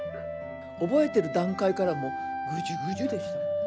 覚えてる段階からもうグジュグジュでした。